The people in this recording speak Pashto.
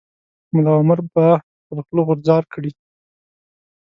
ملا عمر به تر خوله غورځار کړي.